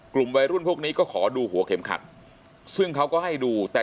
กลุ่มวัยรุ่นพวกนี้ก็ขอดูหัวเข็มขัดซึ่งเขาก็ให้ดูแต่